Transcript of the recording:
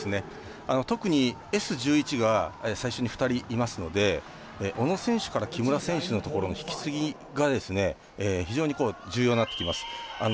特にＳ１１が最初に２人いますので小野選手から木村選手のところの引き継ぎが非常に重要になってきます。